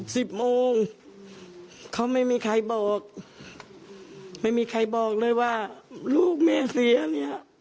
สิบโมงเขาไม่มีใครบอกไม่มีใครบอกเลยว่าลูกแม่เสียเนี้ย